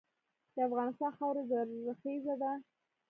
د افغانستان خاوره زرخیزه ده.